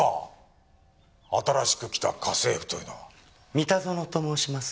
三田園と申します。